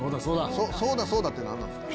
「そうだそうだ」って何なんすか？